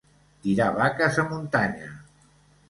Tirar vaques a muntanya.